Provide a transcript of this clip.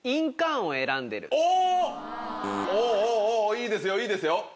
いいですよいいですよ。